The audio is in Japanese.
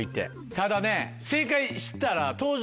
ただね正解知ったら。